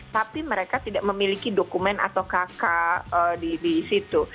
tapi mereka tidak memiliki dokumen atau kakak disitu